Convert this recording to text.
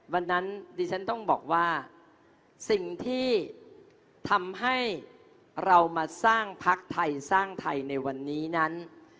วันนั้นดิฉันต้องบอกว่าสิ่งที่ทำให้เรามาสร้างพักไทยสร้างไทยในวันนี้นั้น